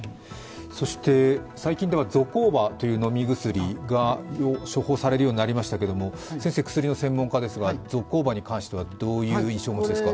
そして、最近ではゾコーバという飲み薬が処方されるようになりましたけども先生は薬の専門家ですが、ゾコーバに関してはどういう印象をお持ちですか？